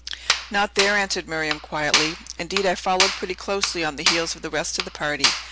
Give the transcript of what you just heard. "Not there," answered Miriam quietly; "indeed, I followed pretty closely on the heels of the rest of the party.